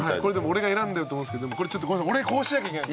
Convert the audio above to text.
俺が選んでると思うんですけど俺こうしなきゃいけない。